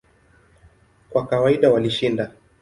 Kwa kawaida walishinda.